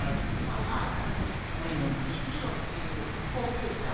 おばあさんたちがじんじろっていう高級車を。